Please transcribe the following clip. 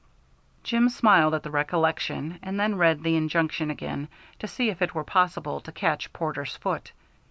Jim smiled at the recollection and then read the injunction again to see if it were possible to catch Porter's foot.